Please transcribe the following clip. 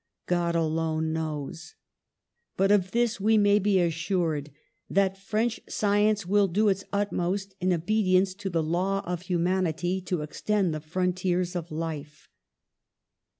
God alone knows. But of this we may be assured, that French science will do its ut most, in obedience to the law of humanity, to extend the frontiers of life."